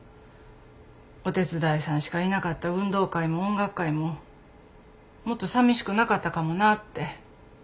お手伝いさんしかいなかった運動会も音楽会ももっとさみしくなかったかもなって。